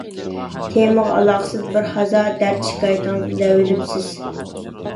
تېمىغا ئالاقىسىز بىرھازا دەرد - شىكايىتىڭىزنى دەۋېلىپسىز.